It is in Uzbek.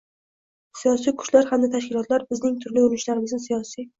siyosiy kuchlar hamda tashkilotlar, bizning turli urinishlarimizni siyosiy